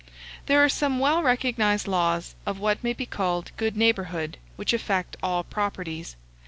There are some well recognized laws, of what may be called good neighbourhood, which affect all properties.